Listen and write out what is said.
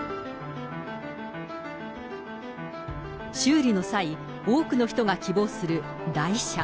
修理の際、多くの人が希望する代車。